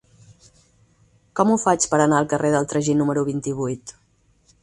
Com ho faig per anar al carrer del Tragí número vint-i-vuit?